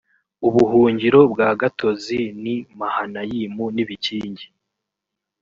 ubuhungiro bwa gatozi n i mahanayimu n ibikingi